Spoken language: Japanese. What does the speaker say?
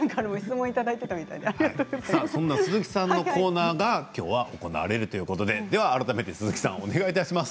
そんな鈴木さんのコーナーが行われるということで改めてお願いします。